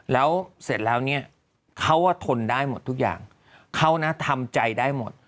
แล้วเสร็จแล้วเนี่ยเขาว่าทนได้หมดทุกอย่างเขานะทำใจได้หมด